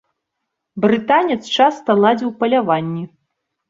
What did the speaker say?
Брытанец часта ладзіў паляванні.